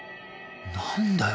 何だよ？